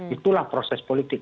itulah proses politik